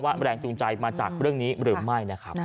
แรงจูงใจมาจากเรื่องนี้หรือไม่นะครับ